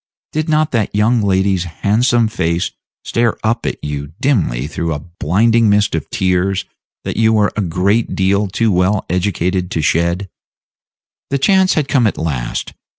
Did not that young lady's handsome face stare up at you dimly through a blinding mist of tears that you were a great deal too well educated to shed? The chance had come at last.